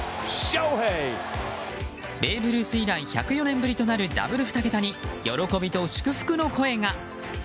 ベーブ・ルース以来１０４年ぶりとなるダブル２桁に喜びと祝福の声が。